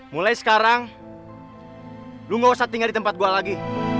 mulai sekarang lu gak usah tinggal di tempat gue lagi